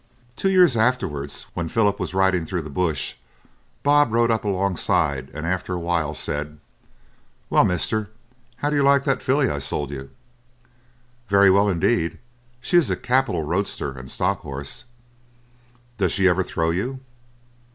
Two years afterwards, when Philip was riding through the bush, Bob rode up alongside, and after a while said: "Well, Mister, how do you like that filly I sold you?" "Very well indeed. She is a capital roadster and stockhorse." "Does she ever throw you?"